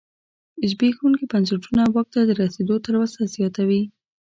زبېښونکي بنسټونه واک ته د رسېدو تلوسه زیاتوي.